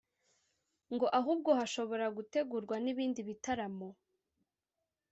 ngo ahubwo hashobora gutegurwa n’ibindi bitaramo